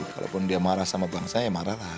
walaupun dia marah sama bangsa ya marahlah